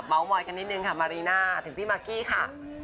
เมาท์มอยด์กันนิดหนึ่งค่ะมารีน่าถึงที่มากกี้ค่ะ